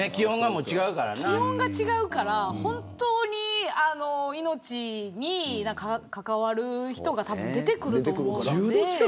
気温が違うから本当に命に関わる人がたぶん、出てくると思うので。